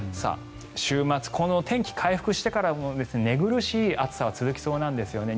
週末、天気回復してからも寝苦しい暑さが続きそうなんですよね。